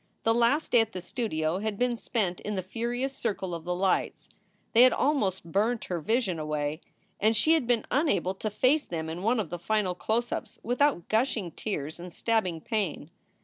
The last day at the studio had been spent in the furious circle of the lights. They had almost burnt her vision away, and she had been unable to face them in one of the final close ups without gushing tears and stabbing pain.